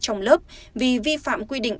trong lớp vì vi phạm quy định